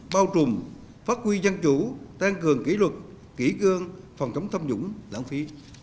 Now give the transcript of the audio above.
bao trùm phát huy dân chủ tăng cường kỷ luật kỹ cương phòng chống thâm dũng tăng phi